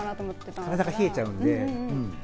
体、冷えちゃうんで。